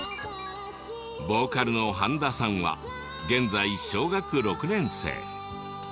ボーカルの半田さんは現在小学６年生。